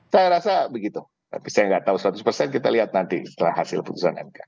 saya rasa begitu tapi saya nggak tahu seratus persen kita lihat nanti setelah hasil putusan mk